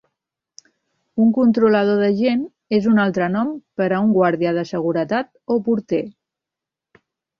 Un controlador de gent és un altre nom per a un guàrdia de seguretat o porter.